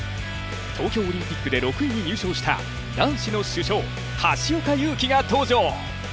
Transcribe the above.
東京オリンピックで６位に入賞した男子の主将・橋岡優輝が登場。